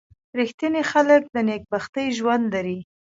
• رښتیني خلک د نېکبختۍ ژوند لري.